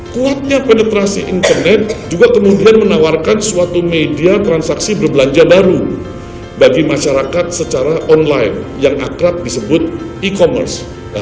kuatnya penetrasi internet juga kemudian menawarkan suatu media transaksi berbelanja baru bagi masyarakat secara online yang akrab disebut e commerce